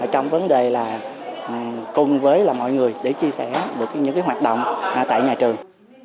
trong vấn đề là cùng với mọi người để chia sẻ được những hoạt động tại nhà trường